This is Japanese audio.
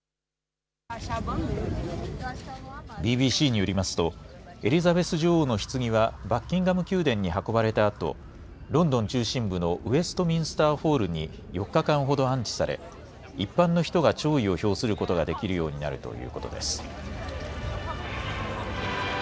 ＢＢＣによりますと、エリザベス女王のひつぎは、バッキンガム宮殿に運ばれたあと、ロンドン中心部のウェストミンスター・ホールに４日間ほど安置され、一般の人が弔意を表することができるようになるということです。